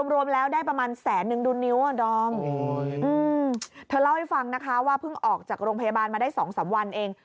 รวมแล้วได้ประมาณแสนนึงดูนิ้วอ่ะดอมเธอเล่าให้ฟังนะคะว่าเพิ่งออกจากโรงพยาบาลมาได้๒๓วันเอง